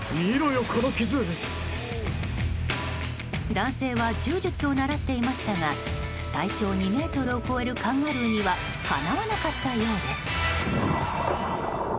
男性は柔術を習っていましたが体長２ｍを超えるカンガルーにはかなわなかったようです。